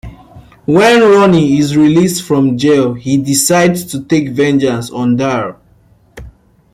When Ronnie is released from jail, he decides to take vengeance on Darryl.